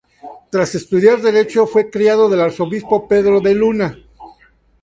Tras estudiar derecho, fue criado del arzobispo Pedro de Luna.